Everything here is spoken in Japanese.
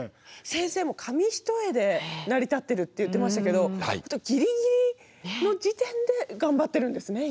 先生も「紙一重で成り立ってる」って言ってましたけどギリギリの時点で頑張ってるんですね